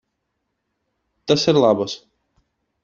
Tas ir labas.